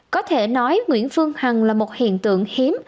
có thể nói nguyễn phương hằng là một hiện tượng hiếm